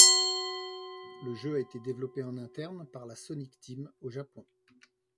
Le jeu a été développé en interne par la Sonic Team, au Japon.